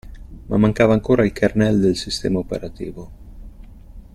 Ma mancava ancora il kernel del sistema operativo.